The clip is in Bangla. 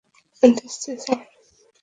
দিচ্ছি, স্যার।